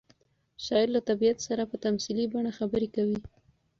شاعر له طبیعت سره په تمثیلي بڼه خبرې کوي.